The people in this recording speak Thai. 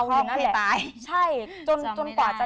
จนกว่าจะได้